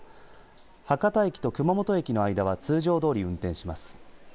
博多駅と熊本駅の間は通常どおり運転します。